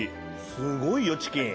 すごいよチキン。